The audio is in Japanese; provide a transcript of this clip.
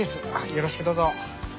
よろしくどうぞ。